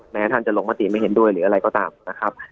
แม้ท่านจะลงมติไม่เห็นด้วยหรืออะไรก็ตามนะครับ